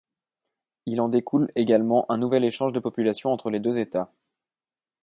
Il en découle, également, un nouvel échange de populations entre les deux États.